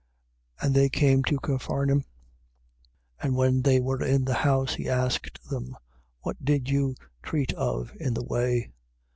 9:32. And they came to Capharnaum. And when they were in the house, he asked them: What did you treat of in the way?